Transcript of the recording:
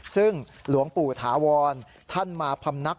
ซึ่งหลวงปู่ถาวรท่านมาพำนัก